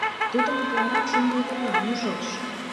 Тудым утларак шоҥго ӱдырлан ужеш.